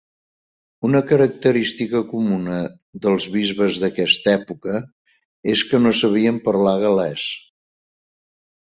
Una característica comuna dels bisbes d'aquesta època és que no sabien parlar gal·lès.